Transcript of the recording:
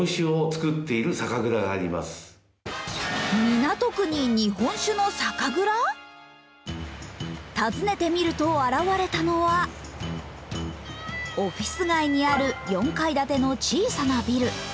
他にも訪ねてみると現れたのは、オフィス街にある４階建ての小さなビル。